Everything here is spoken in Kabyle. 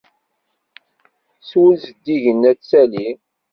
S wul zeddigen ad tali.